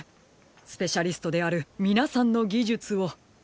スペシャリストであるみなさんのぎじゅつを。